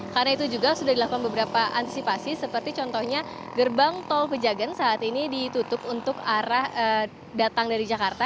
karena itu juga sudah dilakukan beberapa antisipasi seperti contohnya gerbang tol pejagaan saat ini ditutup untuk arah datang dari jakarta